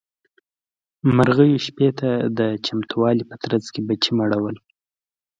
مرغيو شپې ته د چمتووالي په ترڅ کې بچي مړول.